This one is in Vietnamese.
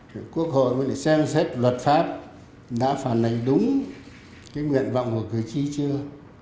của quốc hội để xem xét luật pháp đã phản lệnh đúng cái nguyện vọng của cử tri chưa